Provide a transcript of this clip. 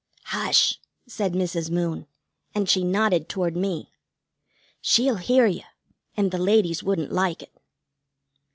"Hush," said Mrs. Moon, and she nodded toward me. "She'll hear you, and the ladies wouldn't like it."